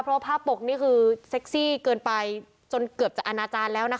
เพราะว่าผ้าปกนี่คือเซ็กซี่เกินไปจนเกือบจะอนาจารย์แล้วนะคะ